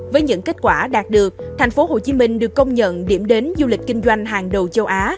với những kết quả đạt được thành phố hồ chí minh được công nhận điểm đến du lịch kinh doanh hàng đầu châu á